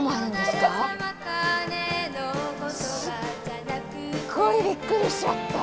すっごいびっくりしちゃった。